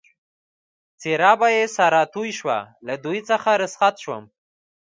څېره به یې سره توی شوه، له دوی څخه رخصت شوم.